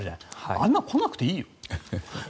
あんなの来なくていいよ。